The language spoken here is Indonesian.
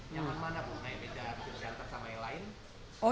nyaman mana pun naik beca bisa diangkat sama yang lain